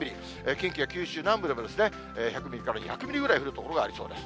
近畿や九州南部でも１００ミリから２００ミリくらい降る所がありそうです。